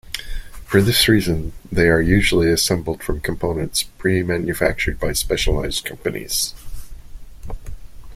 For this reason they are usually assembled from components pre manufactured by specialized companies.